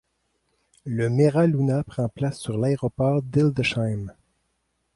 Le M'era Luna prend place sur l'.